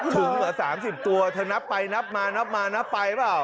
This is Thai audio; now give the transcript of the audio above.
เหรอ๓๐ตัวเธอนับไปนับมานับมานับไปเปล่า